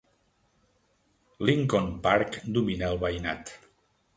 Lincoln Park domina el veïnat.